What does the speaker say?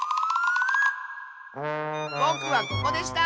ぼくはここでした！